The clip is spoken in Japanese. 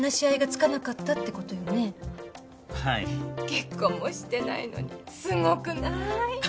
結婚もしてないのにすごくない？